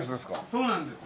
そうなんです。